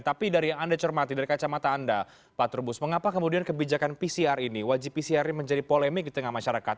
tapi dari yang anda cermati dari kacamata anda pak trubus mengapa kemudian kebijakan pcr ini wajib pcr ini menjadi polemik di tengah masyarakat